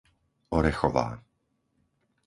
Orechová